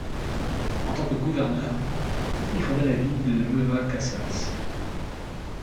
En tant que gouverneur, il fonda la ville de Nueva Cáceres.